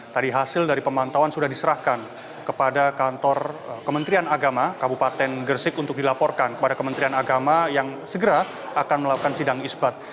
tadi hasil dari pemantauan sudah diserahkan kepada kantor kementerian agama kabupaten gresik untuk dilaporkan kepada kementerian agama yang segera akan melakukan sidang isbat